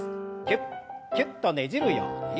キュッキュッとねじるように。